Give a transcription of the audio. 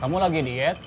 kamu lagi diet